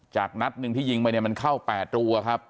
จากนัดนึงที่ยิงมาเกิดเข้าแปดรูครับ